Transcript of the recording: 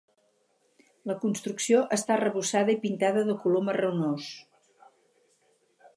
La construcció està arrebossada i pintada de color marronós.